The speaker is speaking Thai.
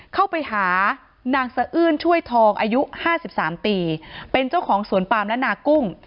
เข้าไปหานางสะอื้นช่วยทองอายุ๕๓ปีเป็นเจ้าของสวนปามและนากุ้ง